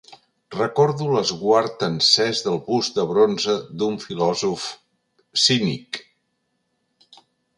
Recordo l'esguard encès del bust de bronze d'un filòsof cínic.